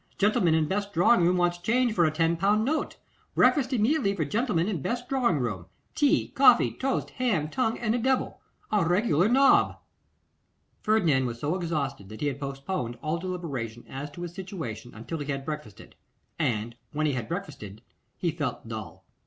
Gentleman in best drawing room wants change for a ten pound note. Breakfast immediately for gentleman in best drawing room. Tea, coffee, toast, ham, tongue, and a devil. A regular nob!' Ferdinand was so exhausted that he had postponed all deliberation as to his situation until he had breakfasted; and when he had breakfasted, he felt dull.